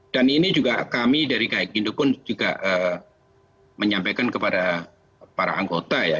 dan ini juga kami dari kaik gindukun juga menyampaikan kepada para anggota ya